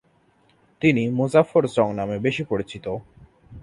তিনি মুজাফফর জং নামে বেশি পরিচিত।